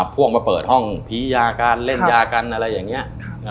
พวกมาเปิดห้องผียากันเล่นยากันอะไรอย่างนี้